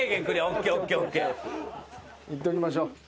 いっときましょう。